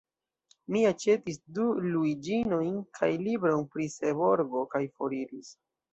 Mi aĉetis du luiĝinojn kaj libron pri Seborgo, kaj foriris.